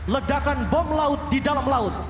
ledakan bom laut di dalam laut